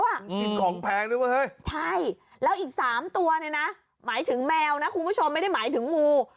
กินของแพงด้วยว่าเฮ้ยใช่แล้วอีก๓ตัวเนี่ยนะหมายถึงแมวนะคุณผู้ชมไม่ได้หมายถึงงู